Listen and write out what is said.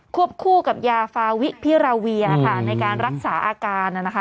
ควบคู่กับยาฟาวิพิราเวียในการรักษาอาการ